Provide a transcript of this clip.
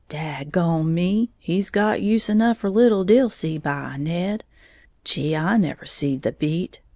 "Dag gone me, he's got use enough for little Dilsey, by Ned! Gee, I never see the beat!